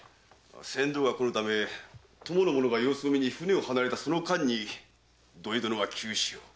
船頭が来ぬため供の者が様子を見に舟を離れたその間に土井殿は急死を。